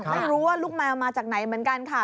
ไม่รู้ว่าลูกแมวมาจากไหนเหมือนกันค่ะ